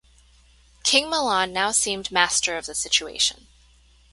King Milan now seemed master of the situation.